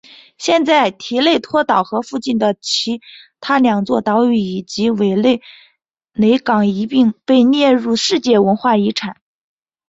现在提内托岛和附近的其他两座岛屿以及韦内雷港一并被列入世界文化遗产。